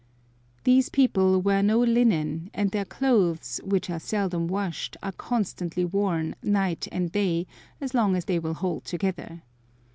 These people wear no linen, and their clothes, which are seldom washed, are constantly worn, night and day, as long as they will hold together.